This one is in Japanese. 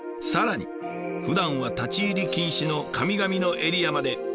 更にふだんは立ち入り禁止の神々のエリアまで。